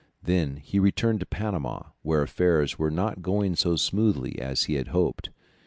Then he returned to Panama, where affairs were not going so smoothly as he had hoped.